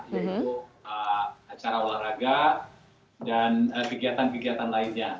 yaitu acara olahraga dan kegiatan kegiatan lainnya